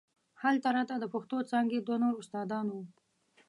هلته راته د پښتو څانګې دوه نور استادان وو.